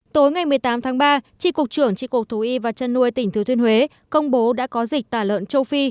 tối ngày một mươi tám tháng ba tri cục trưởng tri cục thú y và chăn nuôi tỉnh thừa thuyên huế công bố đã có dịch tả lợn châu phi